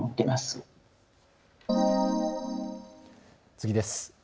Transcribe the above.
次です。